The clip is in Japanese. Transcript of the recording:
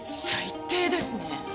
最低ですね！